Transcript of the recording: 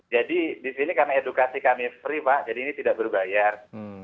jadi di sini karena edukasi kami free pak jadi ini tidak perlu bayar